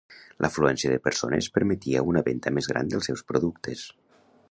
L'afluència de persones permetia una venda més gran dels seus productes.